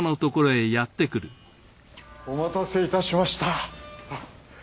お待たせいたしました。